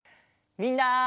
みんな！